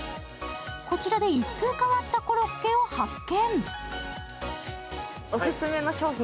こちらで一風変わったコロッケを発見。